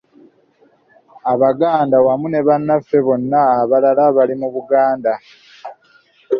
Abaganda wamu ne bannaffe bonna abalala bali mu Buganda